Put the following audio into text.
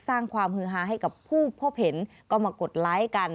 สร้างความฮือฮาให้กับผู้พบเห็นก็มากดไลค์กัน